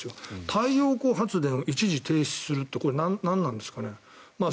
太陽光発電、一時停止するって何なんですかね。